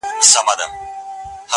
د پښتانه بېره په سترگو کي ده.